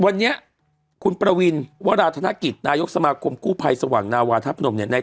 วันนี้คุณประวินวราธนกิจนายกสมาคมกู้ภัยสว่างนาวาธาพนมเนี่ย